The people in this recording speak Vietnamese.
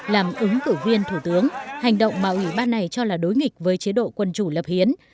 làm ứng cử viên thủ tướng hành động mà ủy ban này cho là đối nghịch với chế độ quân chủ lập hiến